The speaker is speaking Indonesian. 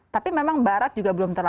tapi memang barat juga belum terlalu